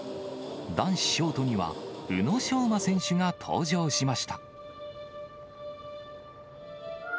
男子ショートには、宇野昌磨選手が登場しました。